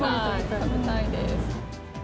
食べたいです。